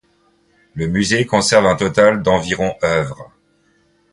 Le musée conserve un total d'environ œuvres.